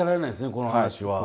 この話は。